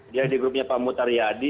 dia di grupnya pak mutari adi